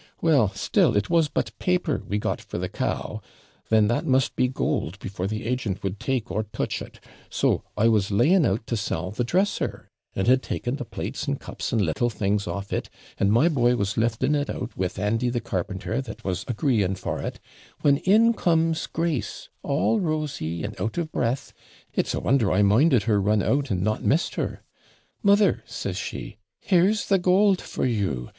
'Well, still it was but paper we got for the cow; then that must be gold before the agent would take or touch it so I was laying out to sell the dresser, and had taken the plates and cups, and little things off it, and my boy was lifting it out with Andy the carpenter, that was agreeing for it, when in comes Grace, all rosy, and out of breath it's a wonder I minded her run out, and not missed her. "Mother," says she, "here's the gold for you!